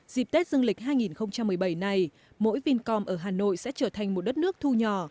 dịp tết dương lịch hai nghìn một mươi bảy này mỗi vincom ở hà nội sẽ trở thành một đất nước thu nhỏ